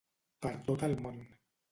Per tot el món.